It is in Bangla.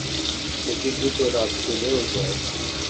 অতি দ্রুত রাগ চলেও যায়।